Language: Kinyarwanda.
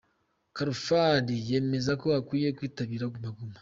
Khalfan yemezako akwiye kwitabira Guma Guma.